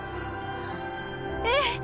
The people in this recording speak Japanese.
ええ！